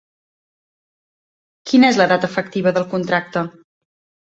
Quina és la data efectiva del contracte?